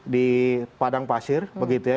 di padang pasir begitu ya